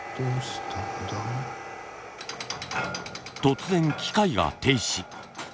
突然機械が停止。